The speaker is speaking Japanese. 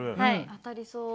当たりそう？